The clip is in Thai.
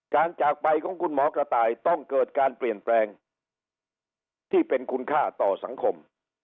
จากไปของคุณหมอกระต่ายต้องเกิดการเปลี่ยนแปลงที่เป็นคุณค่าต่อสังคม